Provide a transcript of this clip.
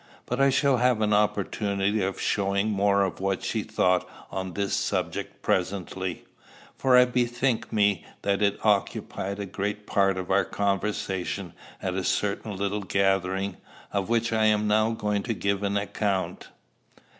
But I shall have an opportunity of showing more of what she thought on this subject presently; for I bethink me that it occupied a great part of our conversation at a certain little gathering, of which I am now going to give an account.